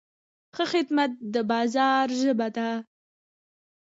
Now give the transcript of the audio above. ښه خدمت د بازار ژبه ده.